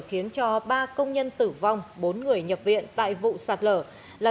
khiến cho ba công nhân tử vong bốn người nhập viện tại vụ sạt lở